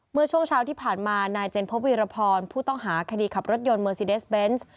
เมื่อช่วงเช้าที่ผ่านมานายเจนพบวีรพรผู้ต้องหาคดีขับรถยนต์เมอร์ซีเดสเบนส์